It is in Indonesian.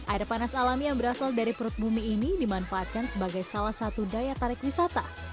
air panas alami yang berasal dari perut bumi ini dimanfaatkan sebagai salah satu daya tarik wisata